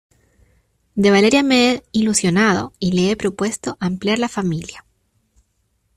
de Valeria me he ilusionado y le he propuesto ampliar la familia,